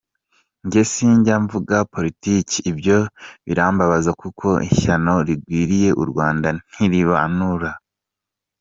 jye sinjya mvuga polotiki!” Ibyo birambabaza kuko ishyano rigwiriye u Rwanda ntirirobanura!